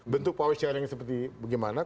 bentuk power sharing seperti bagaimana